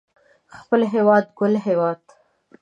خپل هيواد ګل هيواد